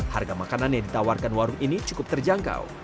harga makanan yang ditawarkan warung ini cukup terjangkau